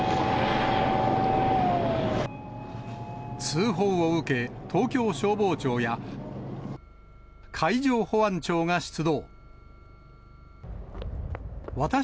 通報を受け、東京消防庁や、海上保安庁が出動。